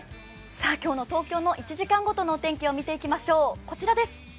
今日の東京の１時間ごとのお天気を見ていきましょう。